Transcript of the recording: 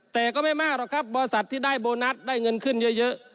แต่ก็ไม่มากหรอกครับบริษัทที่ได้โบนัสได้เงินขึ้นเยอะ